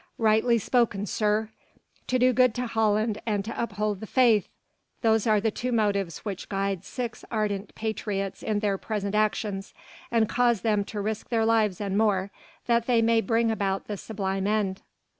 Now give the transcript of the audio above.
"Rightly spoken, sir! To do good to Holland and to uphold the Faith! those are the two motives which guide six ardent patriots in their present actions and cause them to risk their lives and more, that they may bring about the sublime end.